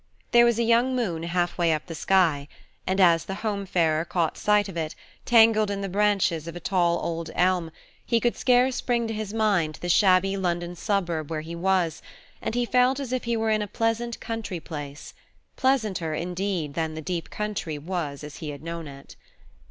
There was a young moon halfway up the sky, and as the home farer caught sight of it, tangled in the branches of a tall old elm, he could scarce bring to his mind the shabby London suburb where he was, and he felt as if he were in a pleasant country place pleasanter, indeed, than the deep country was as he had known it.